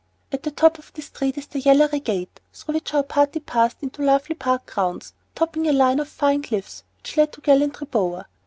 At the top of the street is the "Yellery Gate" through which our party passed into lovely park grounds topping a line of fine cliffs which lead to "Gallantry Bower."